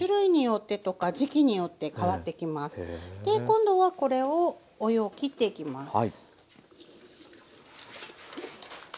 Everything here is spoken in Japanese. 今度はこれをお湯をきっていきます。